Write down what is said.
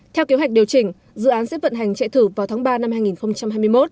theo kế hoạch điều chỉnh dự án sẽ vận hành chạy thử vào tháng ba năm hai nghìn hai mươi một